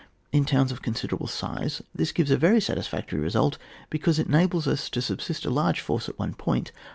In towns of con siderable size this gives a very satis factory result, because it enables us to subsist a large force at one point.